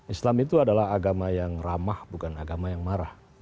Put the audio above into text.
islam itu adalah agama yang ramah bukan agama yang marah